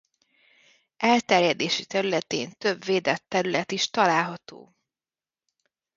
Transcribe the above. Elterjedési területén több védett terület is található.